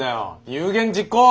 有言実行！